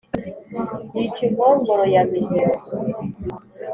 Yica inkongoro ya Mihiro.